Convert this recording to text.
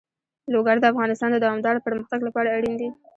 لوگر د افغانستان د دوامداره پرمختګ لپاره اړین دي.